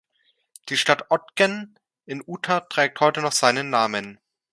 Die Stadt Ogden in Utah trägt heute noch seinen Namen.